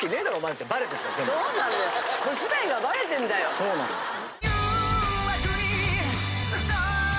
そうなんですよ。